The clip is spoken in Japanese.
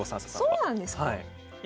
あそうなんですか。